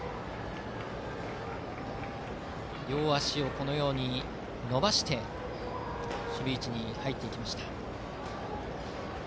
両足を伸ばして守備位置に入っていきました。